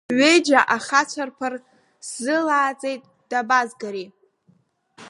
Ҩыџьа ахацәарԥар сзылааӡеит, дабазгари?